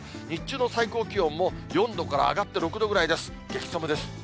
日中の最高気温も、４度から上がって６度ぐらいです、激さむです。